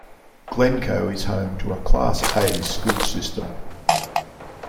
Glencoe is home to a Class A school system.